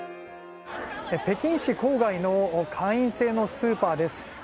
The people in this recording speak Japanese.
北京市郊外の会員制のスーパーです。